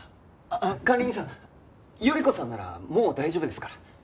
あっ管理人さん頼子さんならもう大丈夫ですから。